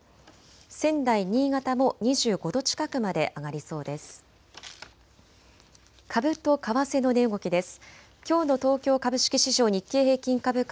仙台、新潟も２５度近くまで上がりそうです。